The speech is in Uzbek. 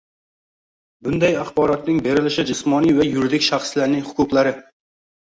bunday axborotning berilishi jismoniy va yuridik shaxslarning huquqlari